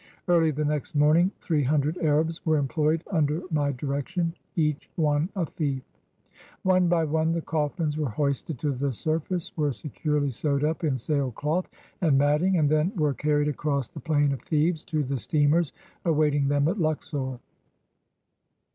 Early the next morning three hundred Arabs were employed under my direction — each one a thief. One by one the cofl&ns were hoisted to the surface, were securely sewed up in sail cloth and matting, and then were carried across the plain of Thebes to the steamers awaiting them at Luxor.